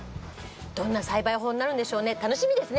どんな栽培法になるんでしょうね楽しみですね。